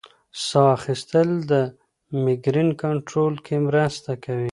ساه اخیستل د مېګرین کنټرول کې مرسته کوي.